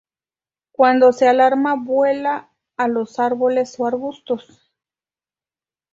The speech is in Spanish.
Cuando se alarma vuela a los árboles o arbustos.